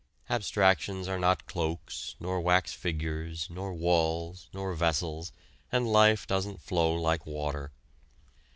Abstractions are not cloaks, nor wax figures, nor walls, nor vessels, and life doesn't flow like water.